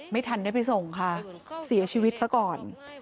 ไม่ทันได้ไปส่งค่ะเสียชีวิตซะก่อน